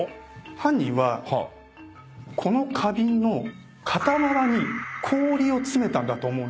犯人はこの花瓶の片側に氷を詰めたんだと思うんです。